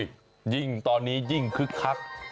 ยิ่งตอนนี้ยิ่งคึกคัก